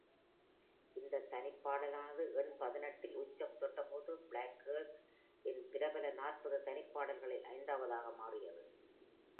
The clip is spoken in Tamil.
இந்தத் தனிப்பாடலானது எண் பதினெட்டில் உச்சம் தொட்டபோது, பிளாக் கேர்ள்ஸ் -இன் பிரபல நாற்பது தனிப்பாடல்களில் ஐந்தாவதாக மாறியது.